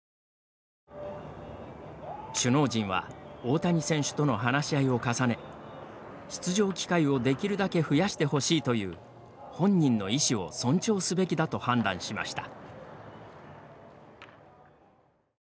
首脳陣は大谷選手との話し合いを重ね出場機会をできるだけ増やしてほしいという本人の意思を尊重すべきだと判断しました。